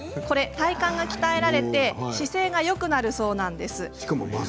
体幹が鍛えられて姿勢がよくなるそうなんです。